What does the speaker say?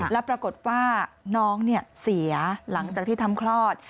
แล้วปรากฏว่าน้องเสียหลังจากที่ทำคลอด